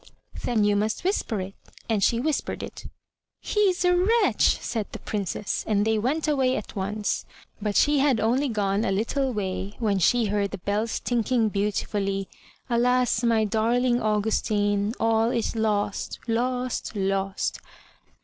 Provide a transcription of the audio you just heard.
"Then you must whisper it." And she whispered it. "He is a wretch!" said the Princess, and went away at once. But she had only gone a little way when she heard the bells tinkling beautifully: "Alas! my darling Augustine! All is losty lost, lost!''